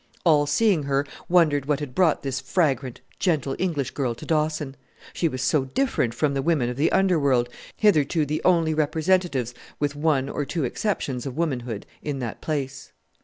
All seeing her, wondered what had brought this fragrant, gentle English girl to Dawson. She was so different from the women of the underworld, hitherto the only representatives with one or two exceptions of womanhood in that place.